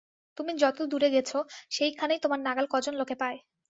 তুমি যত দূরে গেছ, সেইখানেই তোমার নাগাল কজন লোকে পায়।